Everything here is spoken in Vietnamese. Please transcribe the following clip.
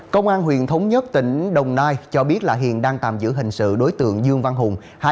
công an tp hcm tỉnh đồng nai cho biết hiện đang tạm giữ hình sự đối tượng dương văn hùng